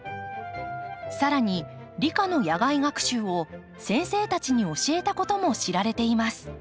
さらに理科の野外学習を先生たちに教えたことも知られています。